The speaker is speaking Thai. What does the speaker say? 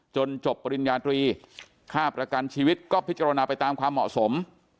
จบปริญญาตรีค่าประกันชีวิตก็พิจารณาไปตามความเหมาะสม